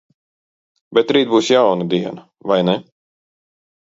Bet rīt būs jauna diena, vai ne?